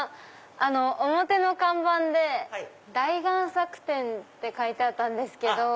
表の看板で大贋作展って書いてあったんですけど。